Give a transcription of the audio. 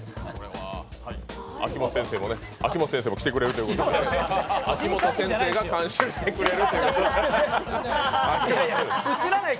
秋元先生も来てくれるということで秋元先生が監修してくれる。